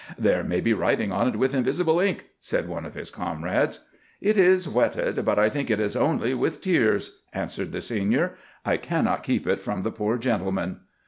"'There may be writing on it with invisible ink,' said one of his comrades. "'It is wetted, but I think it is only with tears,' answered the senior. 'I cannot keep it from the poor gentleman.